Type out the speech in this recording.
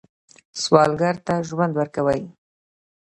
سوالګر ته ژوند ورکوئ